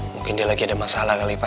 mungkin dia lagi ada masalah kali pak